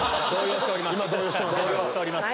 動揺しております。